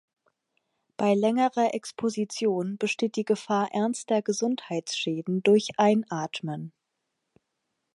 Bei längerer Exposition besteht die Gefahr ernster Gesundheitsschäden durch Einatmen.